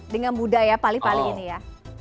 dengan budaya paling paling ini ya